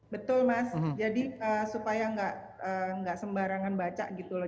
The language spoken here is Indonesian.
betul mas jadi supaya nggak sembarangan baca gitu loh